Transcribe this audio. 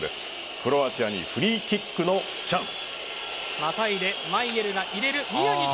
クロアチアにフリーキックのチャンス。